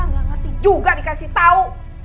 gak ngerti juga dikasih tau